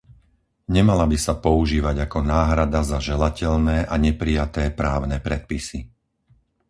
Nemala by sa používať ako náhrada za želateľné a neprijaté právne predpisy.